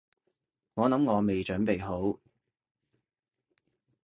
我諗我未準備好